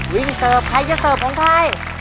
วิ่งเสิร์ฟใครจะเสิร์ฟของใคร